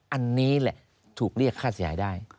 อันนี้แหละถูกเรียกค่าเสียหายได้